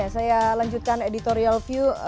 saya lanjutkan editorial view